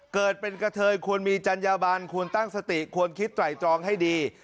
เกิดเป็นกระเทยควรมีจัญญาบันควรตั้งสติควรคิดไตรตรองให้ดี